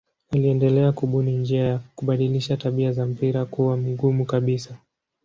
Aliendelea kubuni njia ya kubadilisha tabia za mpira kuwa mgumu kabisa.